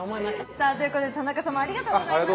さあということで田中様ありがとうございました。